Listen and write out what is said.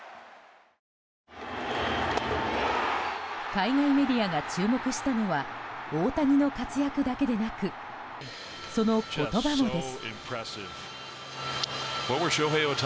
海外メディアが注目したのは大谷の活躍だけでなくその言葉もです。